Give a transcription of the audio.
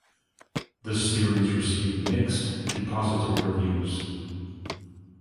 The series received mixed to positive reviews.